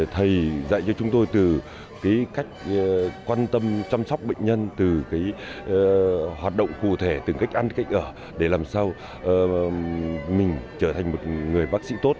thầy dạy cho chúng tôi từ cái cách quan tâm chăm sóc bệnh nhân từ hoạt động cụ thể từ cách ăn cách ở để làm sao mình trở thành một người bác sĩ tốt